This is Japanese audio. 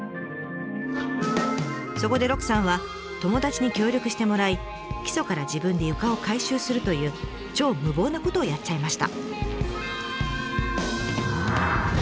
そこで鹿さんは友達に協力してもらい基礎から自分で床を改修するという超無謀なことをやっちゃいました。